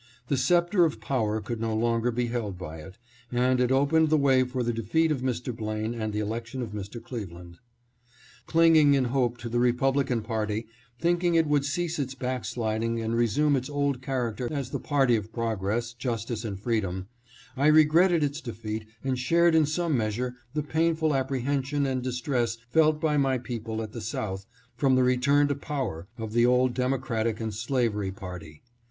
The scepter of power could no longer be held by it, and it opened the way for the defeat of Mr. Blaine and the election of Mr. Cleveland. Clinging in hope to the Republican party, think ing it would cease its backsliding and resume its old character as the party of progress, justice and freedom, I regretted its defeat and shared in some measure the painful apprehension and distress felt by my people at the South from the return to power of the old Demo cratic and slavery party.